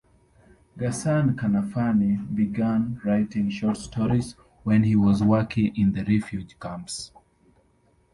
Ghassan Kanafani began writing short stories when he was working in the refugee camps.